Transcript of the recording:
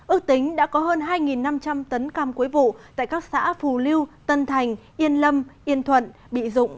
ước tính đã có hơn hai năm trăm linh tấn cam quấy vụ tại các xã phù lưu tân thành yên lâm yên thuận bị dụng